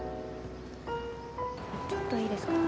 ちょっといいですか？